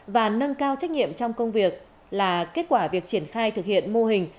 và nâng cao trách nhiệm trong công việc là kết quả việc triển khai thực hiện mô hình